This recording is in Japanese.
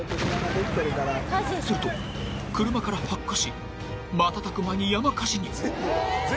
すると、車から発火し瞬く間に山火事に。